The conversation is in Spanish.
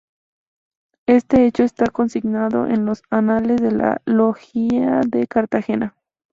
Este hecho está consignado en los anales de la logia de Cartagena.